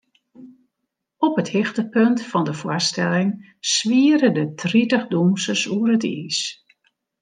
Op it hichtepunt fan de foarstelling swiere der tritich dûnsers oer it iis.